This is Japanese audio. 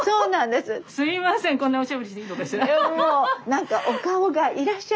すいませんこんなおしゃべりしていいのかしら。